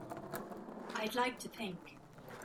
I'd like to think.